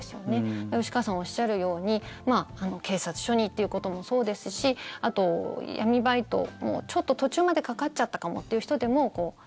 だから吉川さんがおっしゃるように警察署にっていうこともそうですしあと、闇バイトちょっと途中までかかっちゃったかもっていう人でも＃